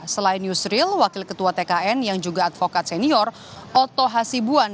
selain yusril wakil ketua tkn yang juga advokat senior oto hasibuan